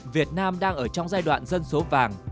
việt nam đang ở trong giai đoạn dân số vàng